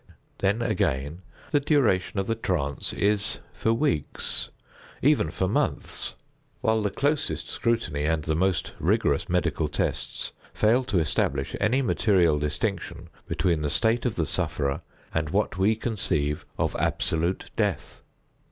Then again the duration of the trance is for weeks—even for months; while the closest scrutiny, and the most rigorous medical tests, fail to establish any material distinction between the state of the sufferer and what we conceive of absolute death.